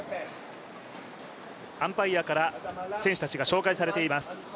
アンパイアから選手たちが紹介されています。